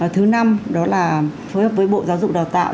thứ năm đó là phối hợp với bộ giáo dục đào tạo